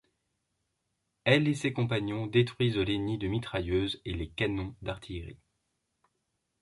Elle et ses compagnons détruisent les nids de mitrailleuses et les canons d'artillerie.